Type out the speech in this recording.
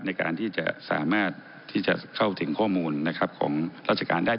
ในการที่จะสามารถเข้าถึงข้อมูลของราชการได้